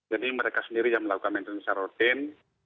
jadi mereka sendiri yang melakukan maintenance secara rutin